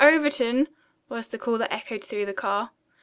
Overton!" was the call that echoed through the car.